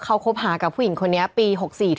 เขาคบหากับผู้หญิงคนนี้ปี๖๔